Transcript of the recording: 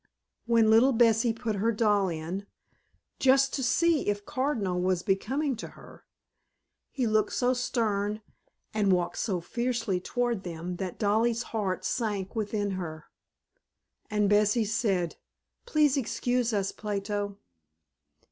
When little Bessie put her doll in, "just to see if cardinal was becoming to her," he looked so stern and walked so fiercely toward them that dolly's heart sank within her, and Bessie said, "Please excuse us, Plato."